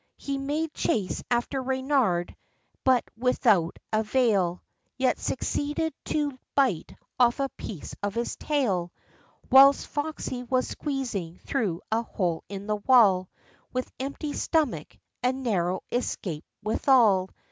He made chase after Reynard, but without avail; Yet succeeded to bite off a piece of his tail, Whilst foxy was squeezing through a hole in the wall, With empty stomach, and narrow escape withal.